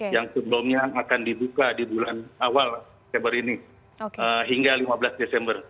yang sebelumnya akan dibuka di bulan awal september ini hingga lima belas desember